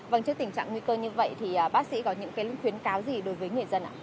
vâng trước tình trạng nguy cơ như vậy thì bác sĩ có những khuyến cáo gì đối với người dân ạ